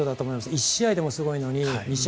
１試合でもすごいのに２試合。